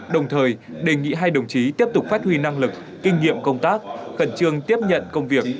đồng thời đề nghị hai đồng chí tiếp tục phát huy năng lực kinh nghiệm công tác khẩn trương tiếp nhận công việc